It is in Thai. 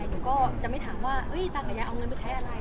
หนูก็จะไม่ถามว่าตังค์กับยายเอาเงินไปใช้อะไร